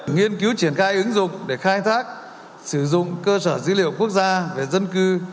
nghiên cứu triển khai ứng dụng để khai thác sử dụng cơ sở dữ liệu quốc gia về dân cư